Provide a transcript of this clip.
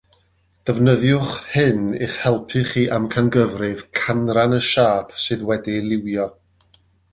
Defnyddiwch hyn i'ch helpu chi amcangyfrif canran y siâp sydd wedi'i liwio